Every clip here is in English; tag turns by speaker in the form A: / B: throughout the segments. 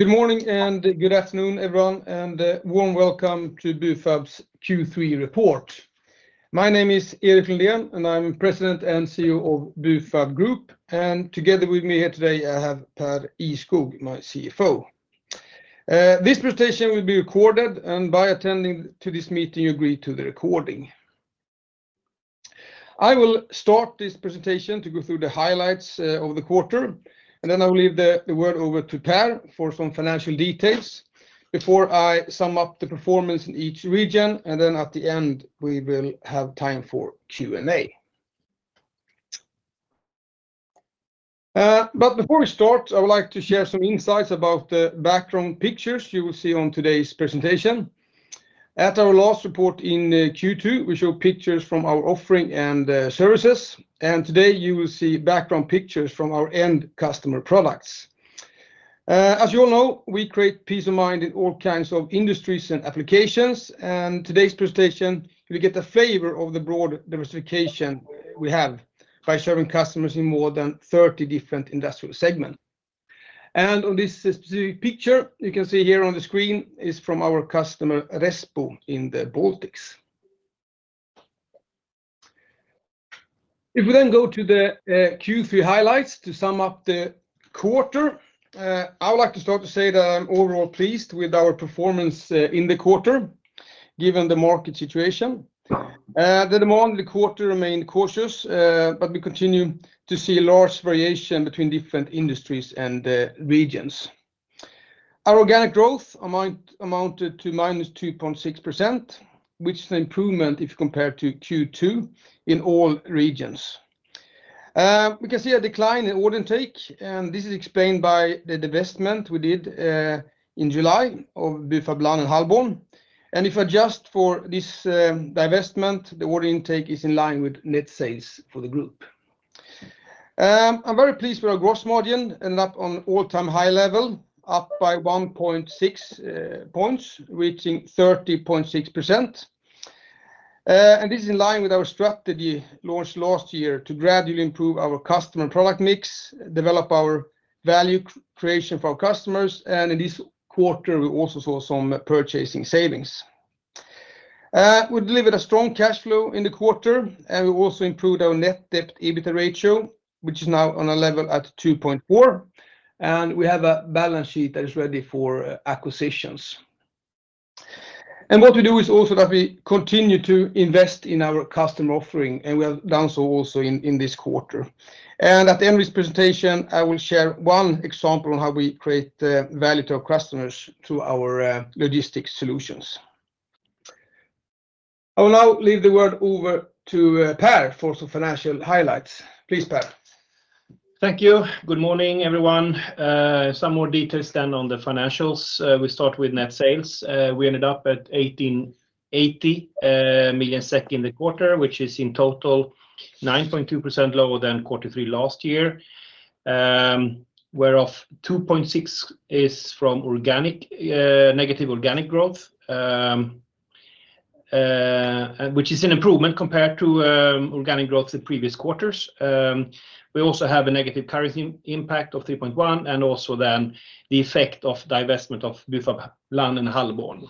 A: Good morning and good afternoon, everyone, and a warm welcome to Bufab's Q3 report. My name is Erik Lundén, and I'm President and CEO of Bufab Group, and together with me here today, I have Pär Ihrskog, my CFO. This presentation will be recorded, and by attending to this meeting, you agree to the recording. I will start this presentation to go through the highlights of the quarter, and then I will leave the word over to Pär for some financial details before I sum up the performance in each region, and then at the end, we will have time for Q&A. But before we start, I would like to share some insights about the background pictures you will see on today's presentation. At our last report in Q2, we showed pictures from our offering and services, and today you will see background pictures from our end customer products. As you all know, we create peace of mind in all kinds of industries and applications, and today's presentation, we get the favor of the broad diversification we have by serving customers in more than 30 different industrial segments. And on this specific picture, you can see here on the screen is from our customer, Respo, in the Baltics. If we then go to the Q3 highlights to sum up the quarter, I would like to start to say that I'm overall pleased with our performance in the quarter, given the market situation. The demand in the quarter remained cautious, but we continue to see a large variation between different industries and regions. Our organic growth amounted to -2.6%, which is an improvement if you compare to Q2 in all regions. We can see a decline in order intake, and this is explained by the divestment we did in July of Bufab Lann and Hallborn. If I adjust for this divestment, the order intake is in line with net sales for the group. I'm very pleased with our gross margin, ended up on all-time high level, up by 1.6 points, reaching 30.6%. This is in line with our strategy launched last year to gradually improve our customer product mix, develop our value creation for our customers, and in this quarter, we also saw some purchasing savings. We delivered a strong cash flow in the quarter, and we also improved our net debt/EBITDA ratio, which is now on a level at 2.4, and we have a balance sheet that is ready for acquisitions, and what we do is also that we continue to invest in our customer offering, and we have done so also in this quarter, and at the end of this presentation, I will share one example on how we create value to our customers through our logistics solutions. I will now leave the word over to Pär for some financial highlights. Please, Pär.
B: Thank you. Good morning, everyone. Some more details then on the financials. We start with net sales. We ended up at 1,880 million SEK in the quarter, which is in total 9.2% lower than quarter three last year. Whereof 2.6 is from organic negative organic growth, which is an improvement compared to organic growth in previous quarters. We also have a negative currency impact of 3.1, and also then the effect of divestment of Bufab Lann and Hallborn.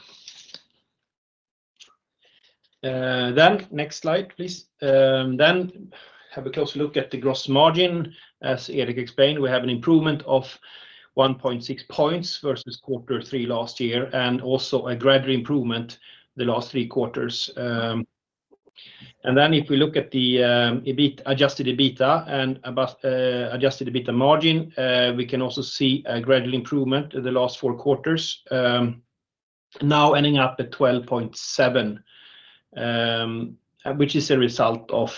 B: Then next slide, please. Then have a closer look at the gross margin. As Erik explained, we have an improvement of 1.6 points versus quarter three last year, and also a gradual improvement the last three quarters. And then if we look at the adjusted EBITDA and adjusted EBITDA margin, we can also see a gradual improvement in the last four quarters, now ending up at 12.7%, which is a result of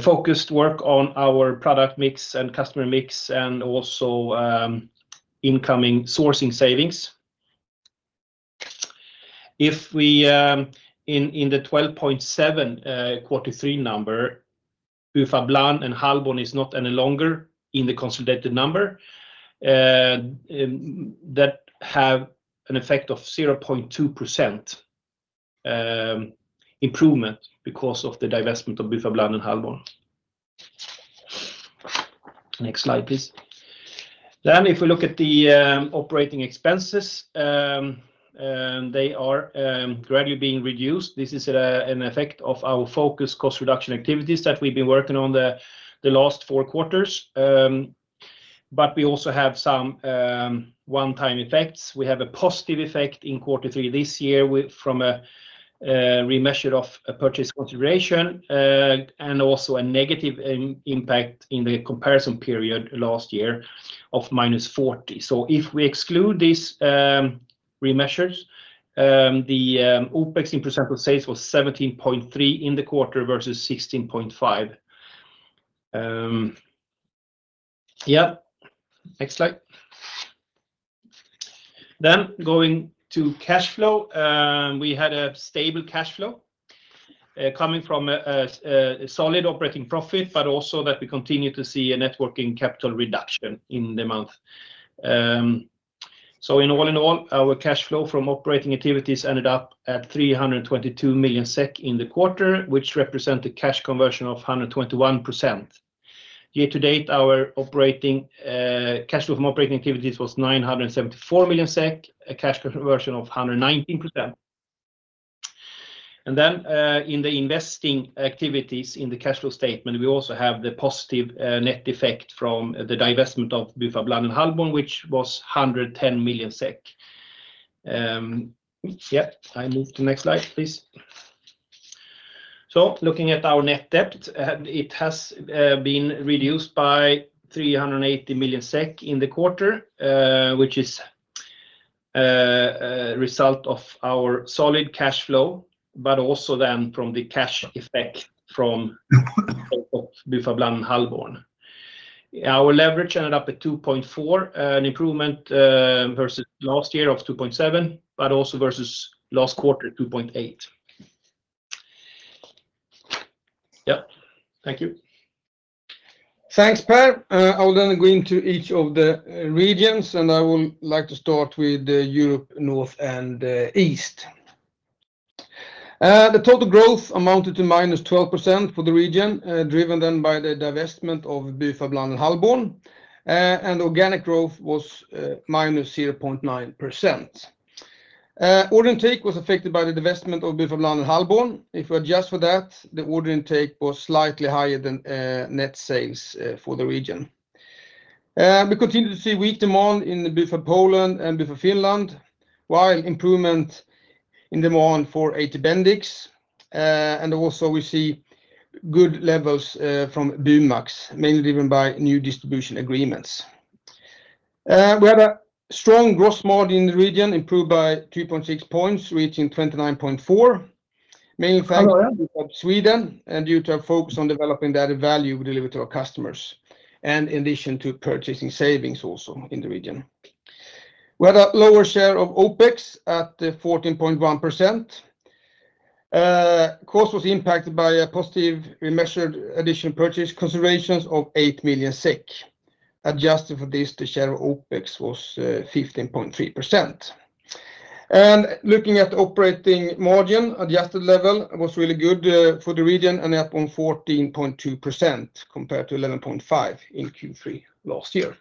B: focused work on our product mix and customer mix, and also incoming sourcing savings. If we... In the 12.7 quarter three number, Bufab Lann and Hallborn is not any longer in the consolidated number. That have an effect of 0.2% improvement because of the divestment of Bufab Lann and Hallborn. Next slide, please. Then, if we look at the operating expenses, they are gradually being reduced. This is an effect of our focus cost reduction activities that we've been working on the last four quarters. But we also have some one-time effects. We have a positive effect in quarter three this year with from a remeasure of a purchase consideration and also a negative impact in the comparison period last year of minus 40. So if we exclude these remeasures, the OpEx in percent of sales was 17.3% in the quarter versus 16.5%. Next slide. Then, going to cash flow, we had a stable cash flow coming from a solid operating profit, but also that we continue to see a net working capital reduction in the month. So in all, our cash flow from operating activities ended up at 322 million SEK in the quarter, which represent the cash conversion of 121%. Year to date, our operating cash flow from operating activities was 974 million SEK, a cash conversion of 119%. In the investing activities in the cash flow statement, we also have the positive net effect from the divestment of Bufab Lann and Hallborn, which was SEK 110 million. I move to the next slide, please. Looking at our net debt, it has been reduced by 380 million SEK in the quarter, which is a result of our solid cash flow, but also then from the cash effect from Bufab Lann and Hallborn. Our leverage ended up at 2.4, an improvement versus last year of 2.7, but also versus last quarter, 2.8. Thank you.
A: Thanks, Pär. I will then go into each of the regions, and I would like to start with the Europe North and East. The total growth amounted to -12% for the region, driven then by the divestment of Bufab Lann and Hallborn, and organic growth was -0.9%. Order intake was affected by the divestment of Bufab Lann and Hallborn. If we adjust for that, the order intake was slightly higher than net sales for the region. We continue to see weak demand in the Bufab Poland and Bufab Finland, while improvement in demand for HT Bendix, and also we see good levels from BUMAX, mainly driven by new distribution agreements. We have a strong gross margin in the region, improved by 2.6 points, reaching 29.4%, mainly from Sweden, and due to a focus on developing the added value we deliver to our customers, and in addition to purchasing savings also in the region. We had a lower share of OpEx at 14.1%. Cost was impacted by a positive remeasured additional purchase considerations of 8 million SEK. Adjusted for this, the share of OpEx was 15.3%. And looking at the operating margin, adjusted level was really good for the region and up on 14.2%, compared to 11.5% in Q3 last year.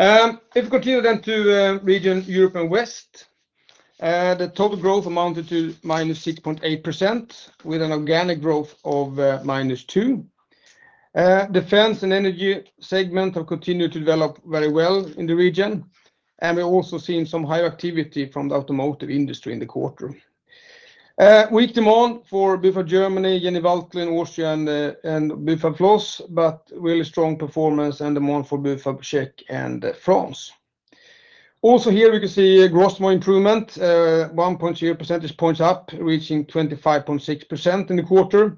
A: If we continue then to region Europe West, the total growth amounted to -6.8%, with an organic growth of -2. Defense and energy segment have continued to develop very well in the region, and we're also seeing some higher activity from the automotive industry in the quarter. Weak demand for Bufab Germany, Jenny Waltle, Austria, and Bufab Flos, but really strong performance and demand for Bufab Czech and France. Also here, we can see a gross margin improvement, 1.0 percentage points up, reaching 25.6% in the quarter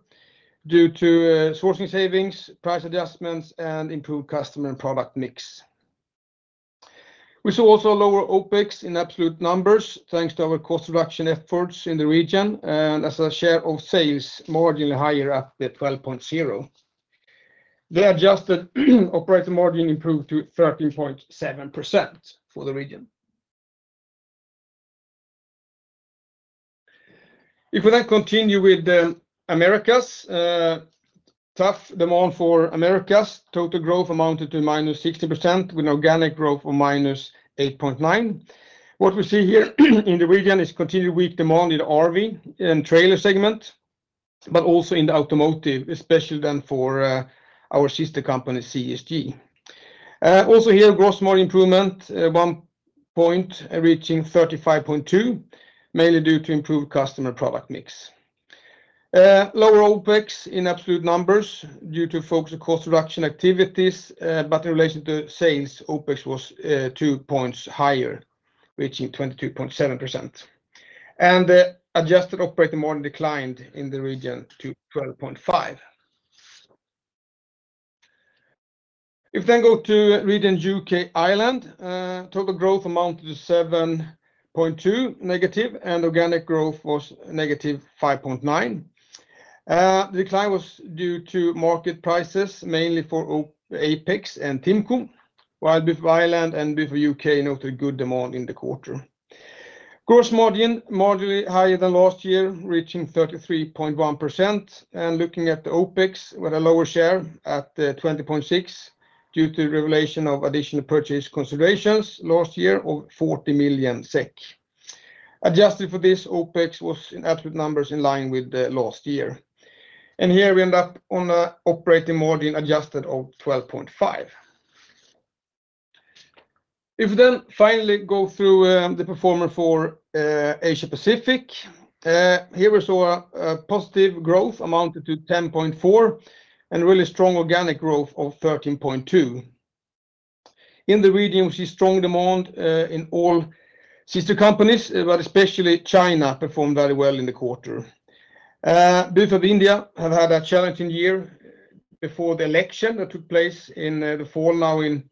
A: due to sourcing savings, price adjustments, and improved customer and product mix. We saw also lower OpEx in absolute numbers, thanks to our cost reduction efforts in the region, and as a share of sales, marginally higher at the 12.0. The adjusted operating margin improved to 13.7% for the region. If we then continue with the Americas, tough demand for Americas. Total growth amounted to -60%, with organic growth of -8.9%. What we see here in the region is continued weak demand in RV and trailer segment, but also in the automotive, especially then for our sister company, CSG. Also here, gross margin improvement one point, reaching 35.2%, mainly due to improved customer product mix. Lower OpEx in absolute numbers due to focus on cost reduction activities, but in relation to sales, OpEx was two points higher, reaching 22.7%. And the adjusted operating margin declined in the region to 12.5%. If we then go to region UK, Ireland, total growth amounted to -7.2%, and organic growth was -5.9%. The decline was due to market prices, mainly for Apex and TIMCO, while with Ireland and with UK noted good demand in the quarter. Gross margin, marginally higher than last year, reaching 33.1%. Looking at the OpEx with a lower share at 20.6%, due to revaluation of additional purchase considerations last year of 40 million SEK. Adjusted for this, OpEx was in absolute numbers in line with last year. Here we end up on an adjusted operating margin of 12.5%. If we then finally go through the performance for Asia Pacific, here we saw a positive growth amounted to 10.4% and really strong organic growth of 13.2%. In the region, we see strong demand in all sister companies, but especially China performed very well in the quarter. Bufab India have had a challenging year before the election that took place in the fall now in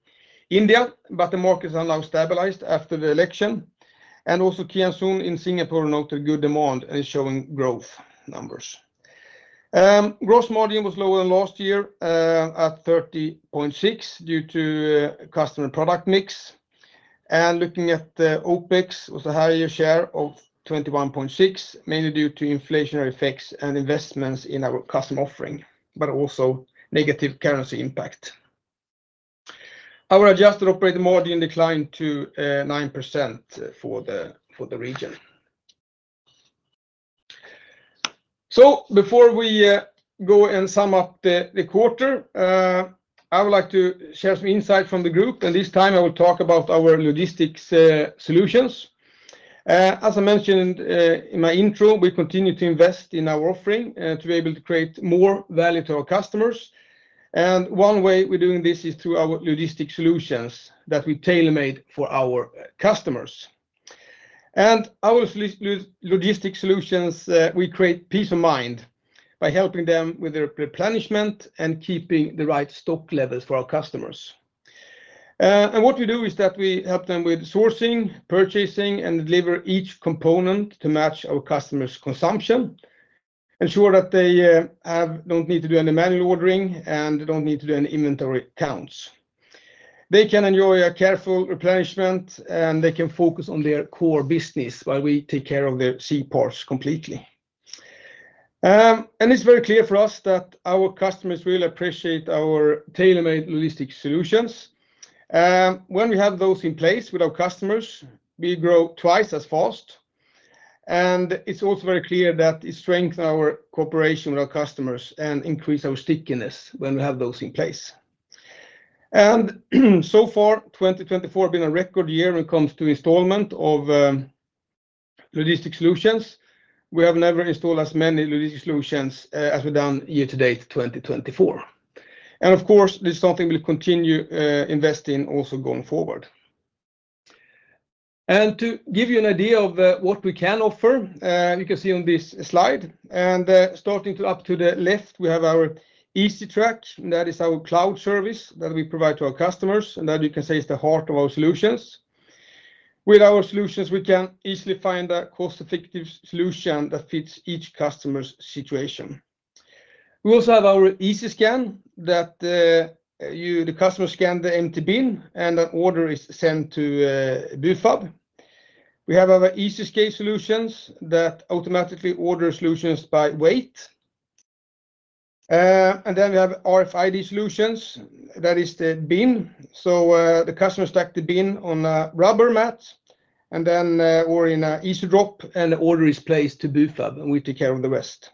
A: India, but the markets are now stabilized after the election, and also Kian Soon in Singapore noted good demand and is showing growth numbers. Gross margin was lower than last year at 30.6% due to customer product mix, and looking at the OpEx was a higher share of 21.6%, mainly due to inflationary effects and investments in our customer offering, but also negative currency impact. Our adjusted operating margin declined to 9% for the region, so before we go and sum up the quarter, I would like to share some insight from the group, and this time I will talk about our logistics solutions. As I mentioned in my intro, we continue to invest in our offering to be able to create more value to our customers. One way we're doing this is through our logistics solutions that we tailor-made for our customers. Our logistics solutions create peace of mind by helping them with their replenishment and keeping the right stock levels for our customers. What we do is that we help them with sourcing, purchasing, and deliver each component to match our customer's consumption, ensure that they have... don't need to do any manual ordering, and don't need to do any inventory counts. They can enjoy a careful replenishment, and they can focus on their core business while we take care of their C-parts completely. And it's very clear for us that our customers really appreciate our tailor-made logistics solutions. When we have those in place with our customers, we grow twice as fast, and it's also very clear that it strengthens our cooperation with our customers and increase our stickiness when we have those in place. And so far, twenty-twenty four has been a record year when it comes to installment of logistics solutions. We have never installed as many logistics solutions as we've done year to date, twenty-twenty four. And of course, this is something we'll continue investing also going forward. And to give you an idea of what we can offer, you can see on this slide, and starting to up to the left, we have our EasyTrack. That is our cloud service that we provide to our customers, and that you can say is the heart of our solutions. With our solutions, we can easily find a cost-effective solution that fits each customer's situation. We also have our EasyScan, that you, the customer, scan the empty bin, and an order is sent to Bufab. We have our EasyWeigh solutions that automatically order solutions by weight. And then we have RFID solutions. That is the bin. So, the customer stack the bin on a rubber mat, and then or in a EasyDrop, and the order is placed to Bufab, and we take care of the rest.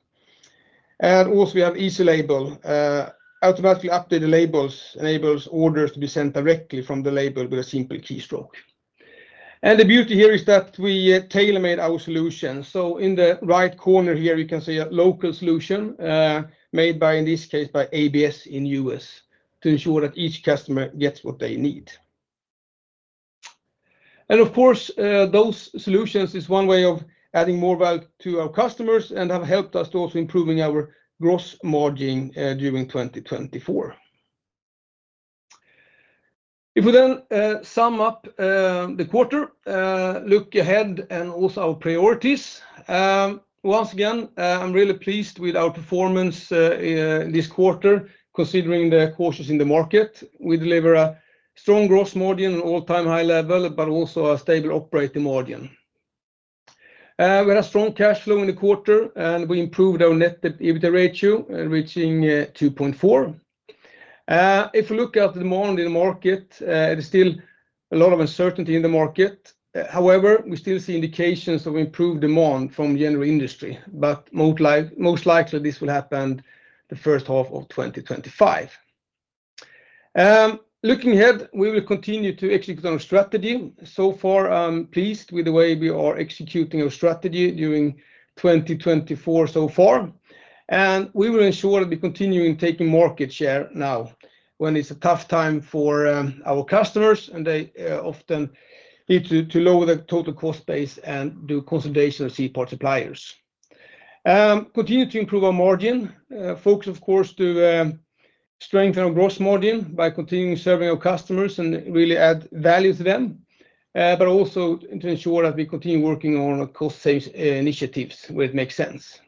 A: And also, we have EasyLabel. Automatically update the labels, enables orders to be sent directly from the label with a simple keystroke. And the beauty here is that we tailor-made our solution. In the right corner here, you can see a local solution, made by, in this case, by ABS in U.S., to ensure that each customer gets what they need. Of course, those solutions is one way of adding more value to our customers and have helped us to also improving our gross margin, during 2024. If we then sum up the quarter, look ahead, and also our priorities, once again, I'm really pleased with our performance this quarter, considering the cautious in the market. We deliver a strong gross margin, an all-time high level, but also a stable operating margin. We had a strong cash flow in the quarter, and we improved our net debt/EBITDA ratio, reaching 2.4. If you look at the demand in the market, there's still a lot of uncertainty in the market. However, we still see indications of improved demand from general industry, but most likely, this will happen the first half of 2025. Looking ahead, we will continue to execute on our strategy. So far, I'm pleased with the way we are executing our strategy during 2024 so far, and we will ensure that we continue taking market share now, when it's a tough time for our customers, and they often need to lower their total cost base and do consolidation of C-parts suppliers. Continue to improve our margin. Focus, of course, to strengthen our gross margin by continuing serving our customers and really add value to them, but also to ensure that we continue working on our cost-saving initiatives, where it makes sense.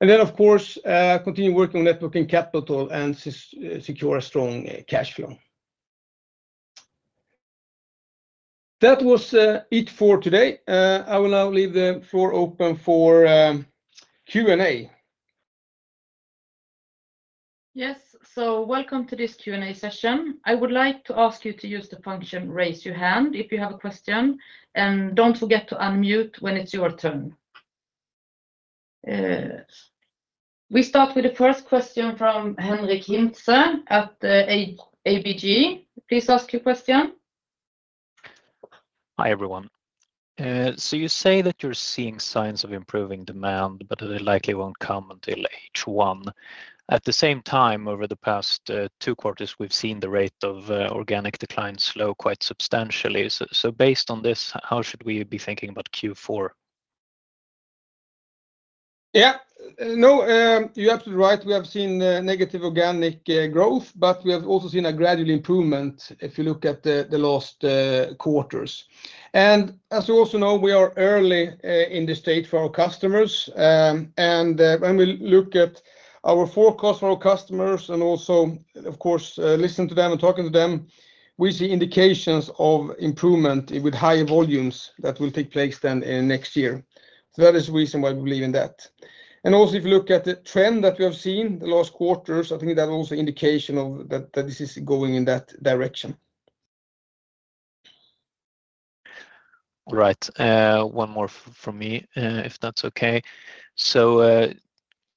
A: And then, of course, continue working on net working capital and secure a strong cash flow. That was it for today. I will now leave the floor open for Q&A.
C: Yes, so welcome to this Q&A session. I would like to ask you to use the function, Raise Your Hand, if you have a question, and don't forget to unmute when it's your turn. We start with the first question from Henrik Nilsson at ABG. Please ask your question.
D: Hi, everyone. So you say that you're seeing signs of improving demand, but they likely won't come until H1. At the same time, over the past two quarters, we've seen the rate of organic decline slow quite substantially. Based on this, how should we be thinking about Q4?
A: Yeah. No, you're absolutely right. We have seen negative organic growth, but we have also seen a gradual improvement if you look at the last quarters. And as you also know, we are early in the cycle for our customers. And when we look at our forecast for our customers and also, of course, listen to them and talking to them, we see indications of improvement with higher volumes that will take place then in next year. So that is the reason why we believe in that. And also, if you look at the trend that we have seen the last quarters, I think that's also indication of that this is going in that direction.
D: Right. One more from me, if that's okay. So,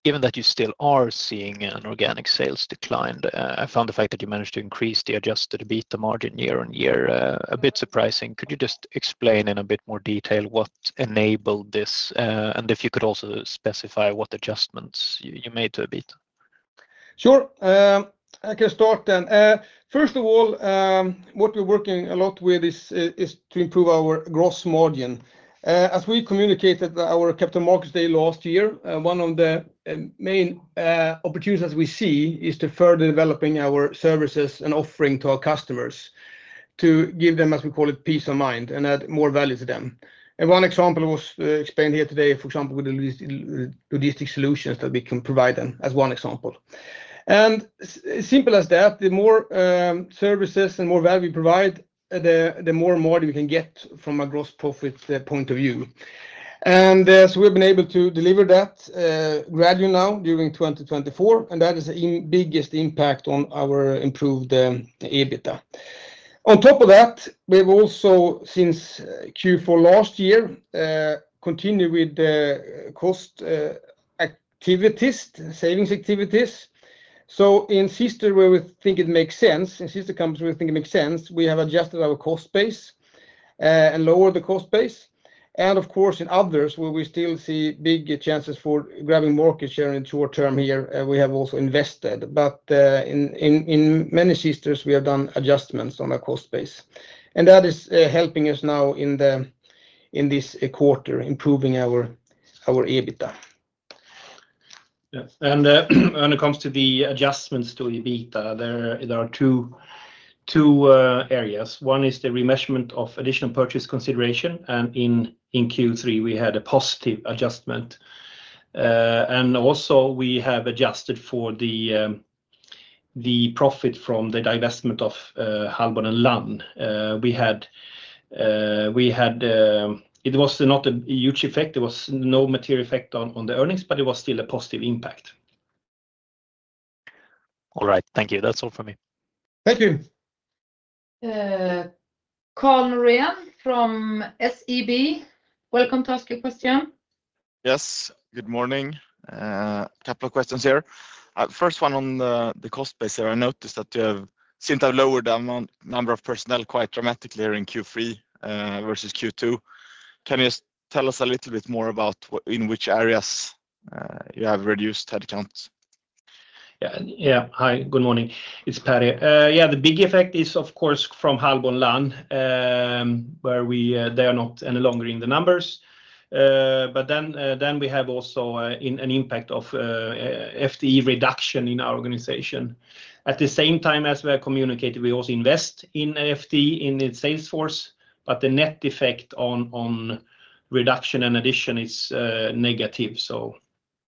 D: given that you still are seeing an organic sales decline, I found the fact that you managed to increase the adjusted EBITDA margin year on year, a bit surprising. Could you just explain in a bit more detail what enabled this? And if you could also specify what adjustments you made to EBITDA?
A: Sure. I can start then. First of all, what we're working a lot with is to improve our gross margin. As we communicated our Capital Markets Day last year, one of the main opportunities we see is to further developing our services and offering to our customers to give them, as we call it, peace of mind and add more value to them. And one example was explained here today, for example, with the logistics solutions that we can provide them, as one example. And simple as that, the more services and more value we provide, the more margin we can get from a gross profit point of view. And so we've been able to deliver that gradually now during 2024, and that is the biggest impact on our improved EBITDA. On top of that, we've also, since Q4 last year, continued with the cost activities, savings activities. So in sister companies, where we think it makes sense, we have adjusted our cost base and lowered the cost base. And of course, in others, where we still see big chances for grabbing market share in the short term here, we have also invested. But in many sisters, we have done adjustments on our cost base, and that is helping us now in this quarter, improving our EBITDA.
B: Yes, and when it comes to the adjustments to EBITDA, there are two areas. One is the remeasurement of additional purchase consideration, and in Q3, we had a positive adjustment. And also we have adjusted for the profit from the divestment of Hallborn and Lann. It was not a huge effect. There was no material effect on the earnings, but it was still a positive impact.
D: All right. Thank you. That's all from me.
A: Thank you.
C: Carl Ragnerstam from SEB, welcome to ask a question.
D: Yes. Good morning. A couple of questions here. First one on the, the cost base here. I noticed that you have seem to have lowered the amount, number of personnel quite dramatically here in Q3, versus Q2. Can you tell us a little bit more about in which areas, you have reduced headcount?
B: Yeah. Yeah. Hi, good morning. It's Patty. Yeah, the big effect is, of course, from Hallborn and Lann, where they are not any longer in the numbers. But then we have also an impact of FTE reduction in our organization. At the same time, as we have communicated, we also invest in FTE in the sales force, but the net effect on reduction and addition is negative, so...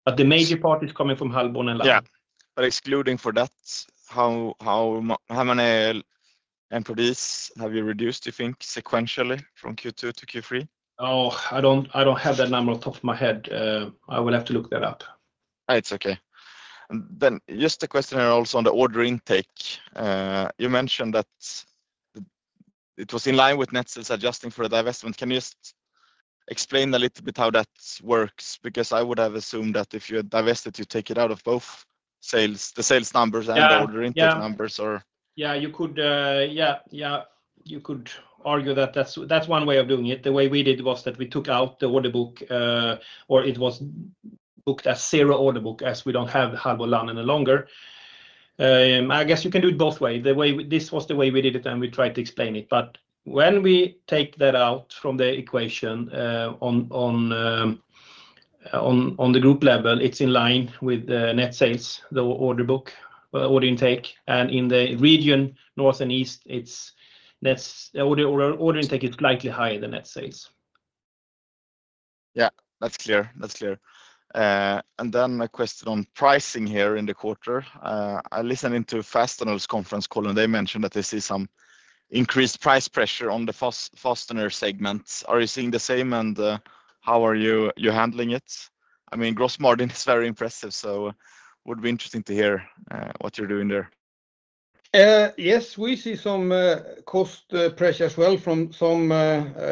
B: But the major part is coming from Hallborn and Lann.
D: Yeah, but excluding for that, how many employees have you reduced, you think, sequentially from Q2 to Q3?
B: Oh, I don't, I don't have that number off the top of my head. I will have to look that up.
D: It's okay. And then just a question also on the order intake. You mentioned that it was in line with net sales, adjusting for the divestment. Can you just explain a little bit how that works? Because I would have assumed that if you had divested, you take it out of both sales, the sales numbers-
B: Yeah...
D: and the order intake numbers or?
B: Yeah, you could... Yeah, yeah, you could argue that that's one way of doing it. The way we did it was that we took out the order book, or it was booked as zero order book, as we don't have Hallborn and Lann any longer. I guess you can do it both way. This was the way we did it, and we tried to explain it. But when we take that out from the equation, on the group level, it's in line with the net sales, the order book, order intake. And in the region, north and east, it's that's the order intake is slightly higher than net sales.
D: Yeah, that's clear. That's clear, and then a question on pricing here in the quarter. I listened in to Fastenal's conference call, and they mentioned that they see some increased price pressure on the fastener segments. Are you seeing the same, and how are you handling it? I mean, gross margin is very impressive, so would be interesting to hear what you're doing there.
A: Yes, we see some cost pressure as well from some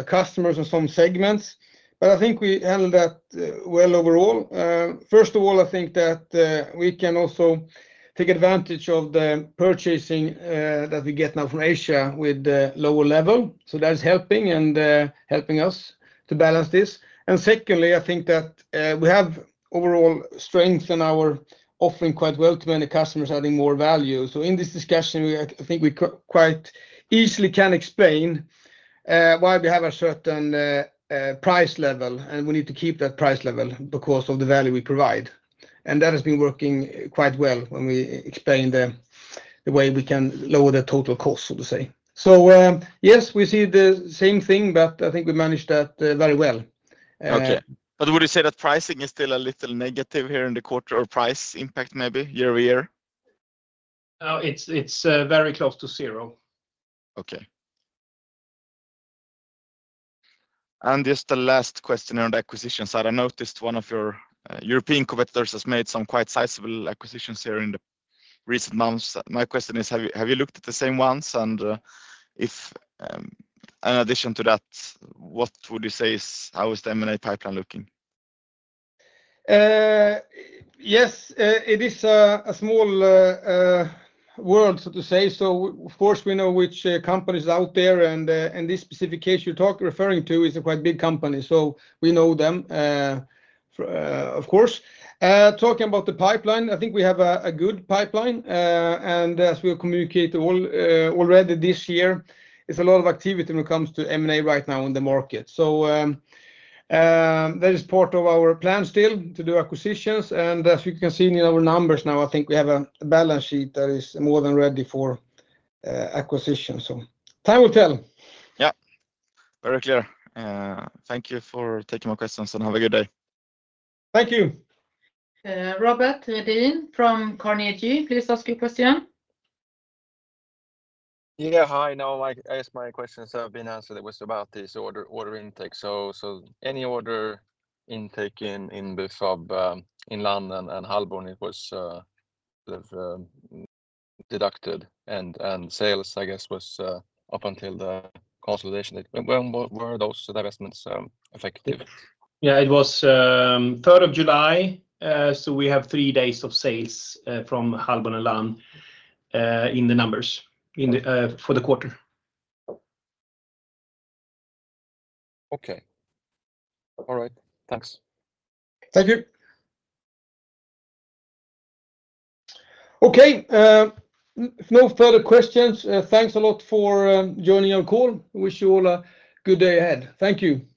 A: customers and some segments, but I think we handle that well overall. First of all, I think that we can also take advantage of the purchasing that we get now from Asia with the lower level, so that's helping us to balance this. Secondly, I think that we have overall strength in our offering quite well to win the customers, adding more value. So in this discussion, we, I think, quite easily can explain why we have a certain price level, and we need to keep that price level because of the value we provide. And that has been working quite well when we explain the way we can lower the total cost, so to say. So, yes, we see the same thing, but I think we managed that, very well.
D: Okay, but would you say that pricing is still a little negative here in the quarter or price impact, maybe year over year?
B: It's very close to zero.
D: Okay. And just the last question on the acquisition side, I noticed one of your European competitors has made some quite sizable acquisitions here in the recent months. My question is, have you looked at the same ones? And, if, in addition to that, what would you say is... How is the M&A pipeline looking?
A: Yes, it is a small world, so to say. So of course, we know which companies out there and, and this specific case you talk- referring to is a quite big company, so we know them, of course. Talking about the pipeline, I think we have a good pipeline. And as we communicate all already this year, it is a lot of activity when it comes to M&A right now in the market. That is part of our plan still to do acquisitions, and as you can see in our numbers now, I think we have a balance sheet that is more than ready for acquisition. Time will tell.
D: Yeah. Very clear. Thank you for taking my questions, and have a good day.
A: Thank you.
C: Robert Redin from Carnegie, please ask your question.
E: Yeah, hi. No, my, I asked my questions, so I've been answered. It was about this order intake. So any order intake in both of in Lann and Hallborn, it was sort of deducted and sales, I guess, was up until the consolidation. When were those divestments effective?
B: Yeah, it was 3rd of July, so we have three days of sales from Hallborn and Lann in the numbers for the quarter.
E: Okay. All right. Thanks.
A: Thank you. Okay, if no further questions, thanks a lot for joining our call. Wish you all a good day ahead. Thank you.